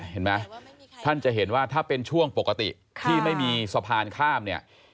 เห็นไหมท่านจะเห็นว่าถ้าเป็นช่วงปกติที่ไม่มีสะพานข้ามเนี่ย